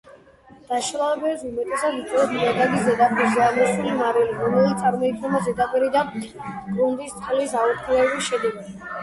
დამლაშებას უმეტესად იწვევს ნიადაგის ზედაპირზე ამოსული მარილი, რომელიც წარმოიქმნება ზედაპირიდან გრუნტის წყლის აორთქლების შედეგად.